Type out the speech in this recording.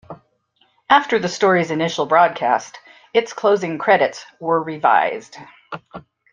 After the story's initial broadcast, its closing credits were revised.